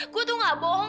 gue tuh gak bohong